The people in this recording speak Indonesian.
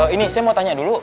ini saya mau tanya dulu